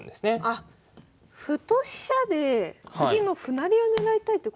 あっ歩と飛車で次の歩成りを狙いたいってことなんですか？